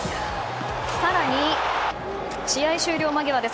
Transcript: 更に、試合終了間際です。